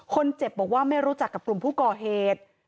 คนเจ็บบอกว่าไม่รู้จักกับกลุ่มผู้ก่อเหตุ